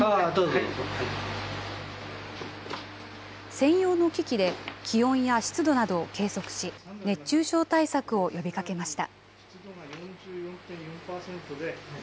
専用の機器で気温や湿度などを計測し熱中症対策を呼びかけました。